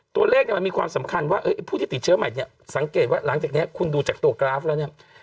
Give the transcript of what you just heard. ตัวเลขเนี่ยมันมีความสำคัญว่าผู้ที่ติดเชื้อใหม่เนี่ยสังเกตว่าหลังจากนี้คุณดูจากตัวกราฟแล้วเนี่ย